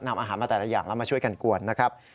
นำอาหารมาแต่ละอย่างแล้วมาช่วยกันกวนนะครับ